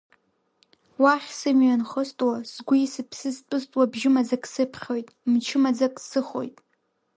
Уахь сымҩа анхыстуа, сгәи сыԥси зтәызтәуа бжьы маӡак сыԥхьоит, мчы маӡак сыхоит!